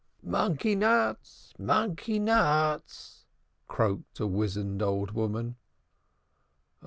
"Monkey nuts! Monkey nuts!" croaked a wizened old woman.